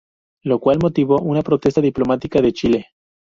Lo cual motivó una protesta diplomática de Chile.